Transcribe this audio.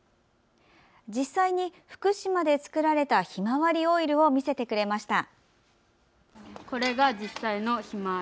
実際に福島で作られたひまわりオイルを見せてくれました。